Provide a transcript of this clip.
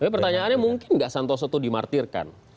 pertanyaannya mungkin tidak santoso itu dimartirkan